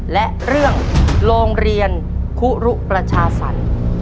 และเรื่องโรงเรียนคุรุประชาสรรค์